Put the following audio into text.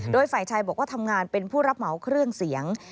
โดยฝ่ายชายบอกว่าทำงานเป็นผู้รับเหมาเครื่องเสียง